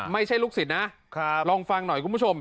ไม่ใช่ลูกศิษย์นะลองฟังหน่อยคุณผู้ชม